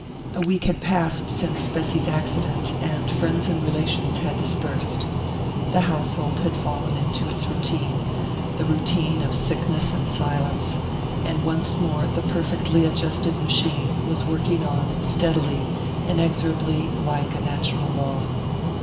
A week had passed since Bessy's accident, and friends and relations had dispersed. The household had fallen into its routine, the routine of sickness and silence, and once more the perfectly adjusted machine was working on steadily, inexorably, like a natural law....